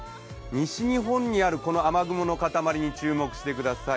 西日本にあるこの雨雲の固まりに注目してください。